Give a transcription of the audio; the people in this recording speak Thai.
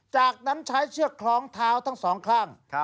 จากนั้นใช้เชือกคล้องเท้าทั้งสองข้าง